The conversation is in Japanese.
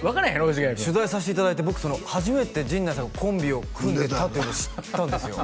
藤ヶ谷君取材させていただいて僕その初めて陣内さんがコンビを組んでたというの知ったんですよ